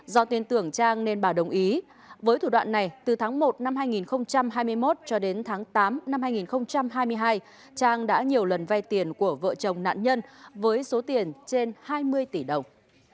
do tin tưởng trang nên bà đồng ý với thủ đoạn này từ tháng một năm hai nghìn hai mươi một cho đến tháng tám năm hai nghìn hai mươi hai trang đã nhiều lần vay tiền của vợ chồng nạn nhân với số tiền trên hai mươi tỷ đồng